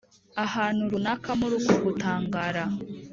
ahantu runaka muri uko gutangara,